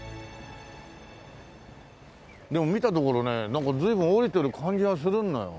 でも見たところねなんか随分降りてる感じはするんだよ。